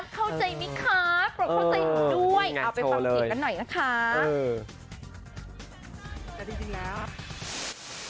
เข้าใจไหมคะกรดเข้าใจหนูด้วยเอาไปฟังเสียงกันหน่อยนะคะ